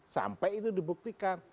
sampai itu dibuktikan